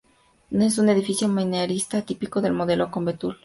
Es un edificio manierista típico del modelo conventual contrarreformista.